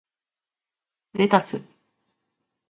レタス